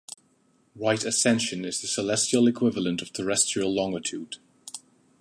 Right Ascension is the celestial equivalent of terrestrial longitude.